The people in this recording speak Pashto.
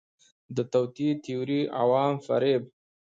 د توطئې تیوري، عوام فریب